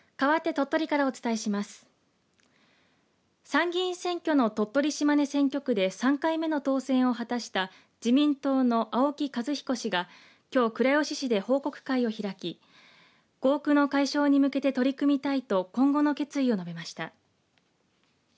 参議院選挙の鳥取島根選挙区で３回目の当選を果たした自民党の青木一彦氏が、きょう倉吉市で報告会を開き合区の解消に向けて取り組みたいと今後の決意を述べました。